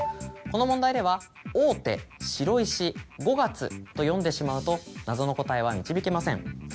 この問題では王手白石五月と読んでしまうと謎の答えは導けません。